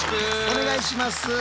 お願いします。